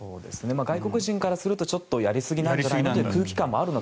外国人からするとちょっとやりすぎじゃないかと。